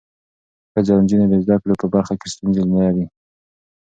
ښځې او نجونې د زده کړې په برخه کې ستونزې لري.